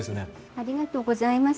ありがとうございます。